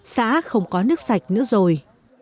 xã không có nước sạch nữa rồi